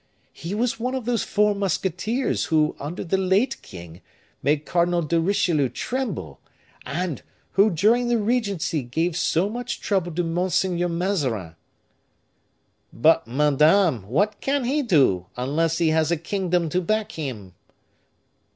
He was one of those four musketeers who, under the late king, made Cardinal de Richelieu tremble, and who, during the regency, gave so much trouble to Monseigneur Mazarin." "But, madame, what can he do, unless he has a kingdom to back him?"